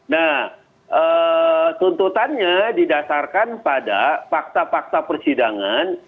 nah tuntutannya didasarkan pada fakta fakta persidangan